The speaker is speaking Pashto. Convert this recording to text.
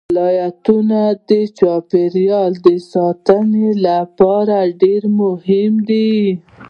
ولایتونه د چاپیریال ساتنې لپاره ډېر مهم دي.